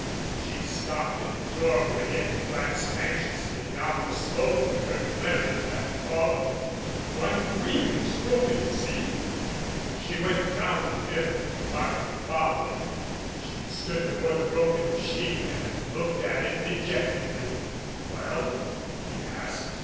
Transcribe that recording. She stopped in the doorway and glanced anxiously down the slope where her Bleriot had fallen. "One wing is broken, you see." She went down the hill, Markham following. She stood before the broken machine and looked at it dejectedly. "Well?" he asked.